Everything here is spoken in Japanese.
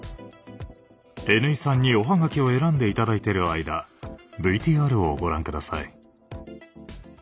Ｎ井さんにお葉書を選んで頂いている間ＶＴＲをご覧下さい。